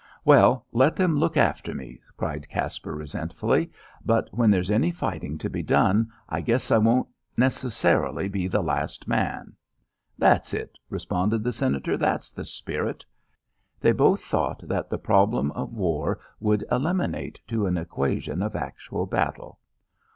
"Well, let them look after me," cried Caspar resentfully; "but when there's any fighting to be done I guess I won't necessarily be the last man." "That's it," responded the Senator. "That's the spirit." They both thought that the problem of war would eliminate to an equation of actual battle.